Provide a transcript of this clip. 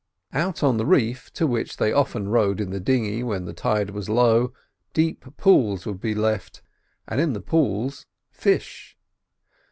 Out on the reef, to which they often rowed in the dinghy, when the tide was low, deep pools would be left, and in the pools fish.